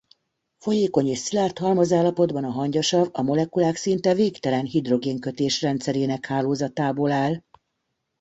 Folyékony és szilárd halmazállapotban a hangyasav a molekulák szinte végtelen hidrogénkötés-rendszerének hálózatából áll.